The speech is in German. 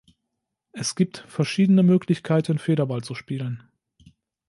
Es gibt verschiedene Möglichkeiten, Federball zu spielen.